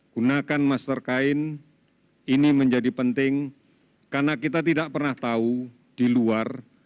gunakan masker kain ini menjadi penting karena kita tidak pernah tahu di luar